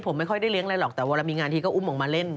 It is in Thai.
ผมไม่ค่อยได้เลี้ยอะไรหรอกแต่เวลามีงานทีก็อุ้มออกมาเล่น